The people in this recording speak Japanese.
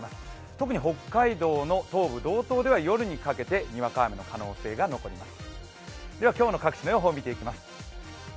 特に北海道の東部、道東では夜にかけてにわか雨の可能性が残ります。